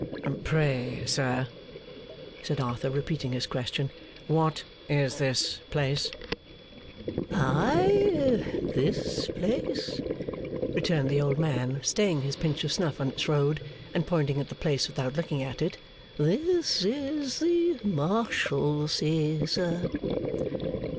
'Pray, sir,' said Arthur, repeating his question, 'what is this place?' 'Ay! This place?' returned the old man, staying his pinch of snuff on its road, and pointing at the place without looking at it. 'This is the Marshalsea, sir.